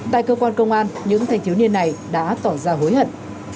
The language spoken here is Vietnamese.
tại cơ quan công an những thanh thiếu niên này đã tỏ ra hối hận